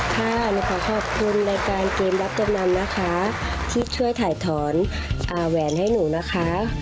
ค่ะหนูขอขอบคุณรายการเกมรับจำนำนะคะที่ช่วยถ่ายถอนแหวนให้หนูนะคะ